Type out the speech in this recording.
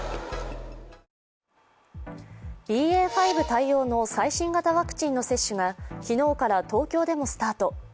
ＢＡ．５対応の最新型ワクチンの接種が昨日から東京でもスタート。